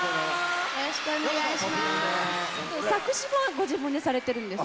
よろしくお願いします。